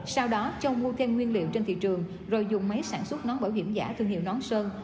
sau đó châu mua thêm nguyên liệu trên thị trường rồi dùng máy sản xuất nón bảo hiểm giả thương hiệu nón sơn